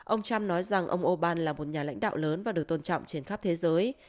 ông trump nói rằng ông orbán là một nhà lãnh đạo lớn và được tôn trọng trên khắp thế giới